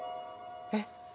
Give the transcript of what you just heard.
えっ？